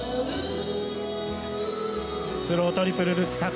スロートリプルルッツ。